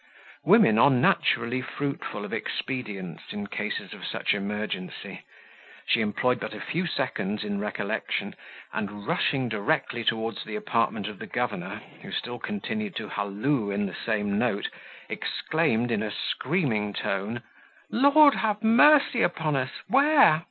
Women are naturally fruitful of expedients in cases of such emergency: she employed but a few seconds in recollection, and, rushing directly towards the apartment of the governor, who still continued to hallo in the same note, exclaimed, in a screaming tone, "Lord have mercy upon us! where!